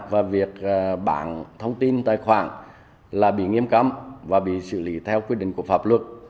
và việc bảng thông tin tài khoản là bị nghiêm cấm và bị xử lý theo quy định của pháp luật